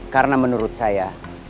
karena menurut saya